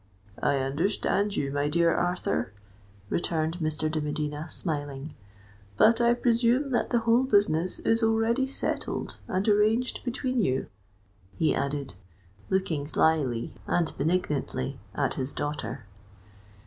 "I understand you, my dear Arthur," returned Mr. de Medina, smiling. "But I presume that the whole business is already settled and arranged between you," he added, looking slily and benignantly at his daughter.